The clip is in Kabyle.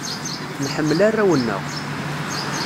Nḥemmel arraw-nneɣ.